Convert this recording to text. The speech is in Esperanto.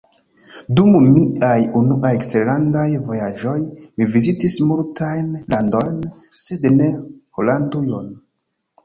Dum miaj unuaj eksterlandaj vojaĝoj mi vizitis multajn landojn, sed ne Holandujon.